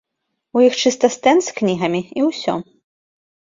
У іх чыста стэнд з кнігамі і ўсё.